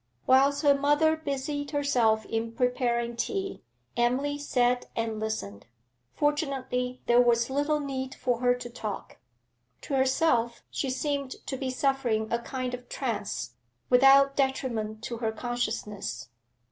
Whilst her mother busied herself in preparing tea, Emily sat and listened; fortunately there was little need for her to talk. To herself she seemed to be suffering a kind of trance, without detriment to her consciousness.